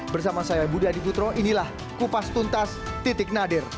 bersama saya budi adiputro inilah kupas tuntas titik nadir